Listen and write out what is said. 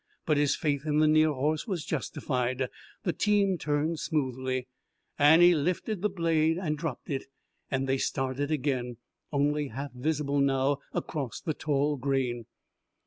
But his faith in the near horse was justified the team turned smoothly, Annie lifted the blade and dropped it, and they started again, only half visible now across the tall grain.